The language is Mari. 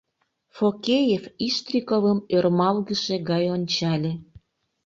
Фокеев Иштриковым ӧрмалгыше гай ончале.